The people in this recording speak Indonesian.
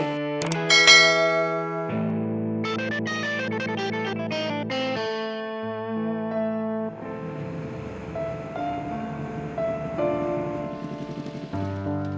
gak ada apa apa